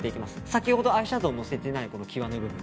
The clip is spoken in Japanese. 先ほどアイシャドーをのせてない際の部分。